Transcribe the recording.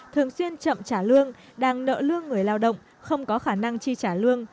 thường xuyên chậm trả lương đang nợ lương người lao động không có khả năng chi trả lương